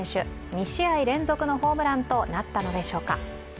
２試合連続のホームランとなったのでしょうか？